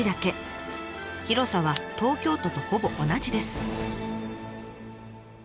広さは東京都とほぼ同じです。